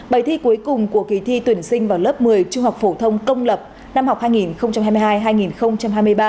bài thi cuối cùng của kỳ thi tuyển sinh vào lớp một mươi trung học phổ thông công lập năm học hai nghìn hai mươi hai hai nghìn hai mươi ba